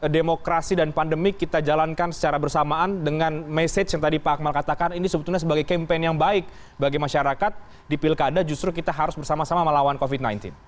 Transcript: demokrasi dan pandemi kita jalankan secara bersamaan dengan message yang tadi pak akmal katakan ini sebetulnya sebagai campaign yang baik bagi masyarakat di pilkada justru kita harus bersama sama melawan covid sembilan belas